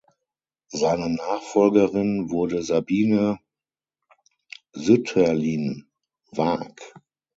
Seine Nachfolgerin wurde Sabine Sütterlin-Waack.